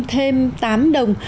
thêm tám đồng